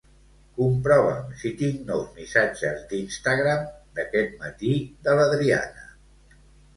Comprova'm si tinc nous missatges d'Instagram d'aquest matí de l'Adriana.